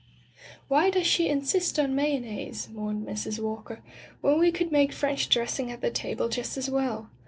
"Why does she insist on mayonnaise?" mourned Mrs. Walker, "when we could make French dressing at the table just as well